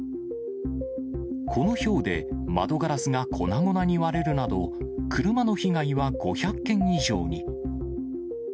このひょうで、窓ガラスが粉々に割れるなど、車の被害は５００件以上に。